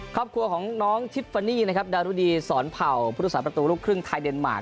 ครอบครัวของน้องทิฟฟานี่นะครับดารุดีสอนเผ่าพุทธศาสประตูลูกครึ่งไทยเดนมาร์